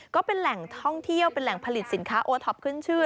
ก็เป็นแหล่งท่องเที่ยวเป็นแหล่งผลิตสินค้าโอท็อปขึ้นชื่อ